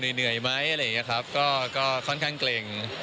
เหนื่อยไหมอะไรอย่างนี้ครับก็ค่อนข้างเกร็ง